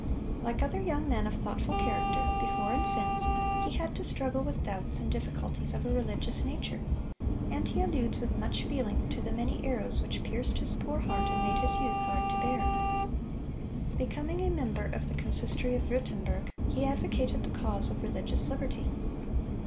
Like other young men of thoughtful character, before and since, he had to struggle with doubts and difficulties of a religious nature, and he alludes, with much feeling, to the 'many arrows which pierced his poor heart, and made his youth hard to bear.' "(605) Becoming a member of the consistory of Würtemberg, he advocated the cause of religious liberty.